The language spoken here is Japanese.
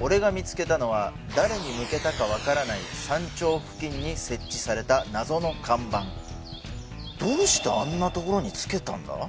俺が見つけたのは誰に向けたかわからない山頂付近に設置された謎の看板どうしてあんなところにつけたんだ？